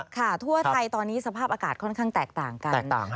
ทั่วไทยตอนนี้สภาพอากาศค่อนข้างแตกต่างกัน